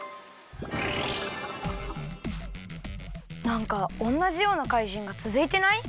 なんかおんなじようなかいじんがつづいてない？